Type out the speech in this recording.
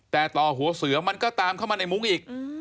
แต่ต่อหัวเสือมันก็ตามเข้ามาในมุ้งอีก